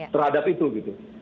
terhadap itu gitu